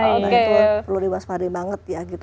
itu perlu dibuat sepadi banget ya